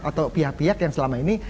atau pihak pihak yang selama ini